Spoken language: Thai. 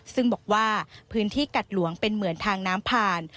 ซึ่งบอกว่าพื้นที่กัดหลวงเป็นเหมือนทางน้ำผ่าน